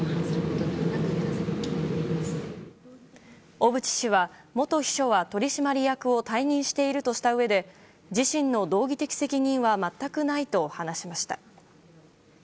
小渕氏は、元秘書は取締役を退任しているとしたうえで自身の道義的責任は全くないと話しました。